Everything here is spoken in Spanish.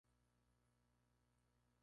Las espinas centrales no están presentes.